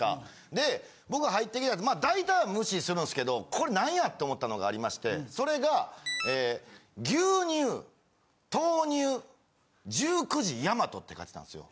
で僕入ってきたやつ大体は無視するんすけど「これ何や！？」と思ったのがありましてそれが。って書いてたんですよ。